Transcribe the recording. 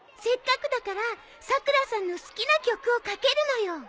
せっかくだからさくらさんの好きな曲をかけるのよ。